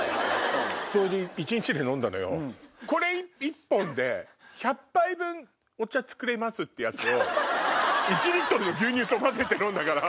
これ１本で１００杯分お茶作れますってやつを１の牛乳と混ぜて飲んだから。